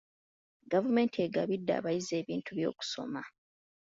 Gavumenti egabidde abayizi ebintu by'okusoma.